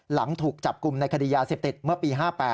หลังถูกจับกลุ่มในคดียาเสพติดเมื่อปี๕๘